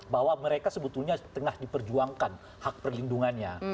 bahwa mereka sebetulnya tengah diperjuangkan hak perlindungannya